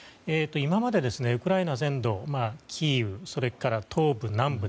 今までウクライナ全土キーウそれから東部、南部。